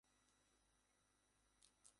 সে কিন্তু এখনো পথ চাহিয়া ছিল।